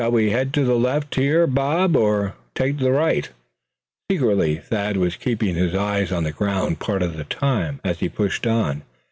Shall we head to the left here, Bob; or take to the right?" Secretly Thad was keeping his eyes on the ground part of the time as he pushed on.